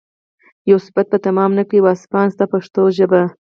یو صفت به تمام نه کړي واصفان ستا په پښتو ژبه.